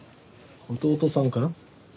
弟さんかな？